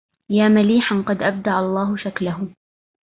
يا مليحا قد أبدع الله شكله